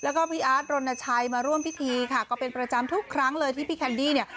แล้วก็พี่อาร์ดรณชัยมาร่วมพิธีค่ะก็เป็นประจำทุกครั้งเลยที่พี่แคนดี้เนี่ย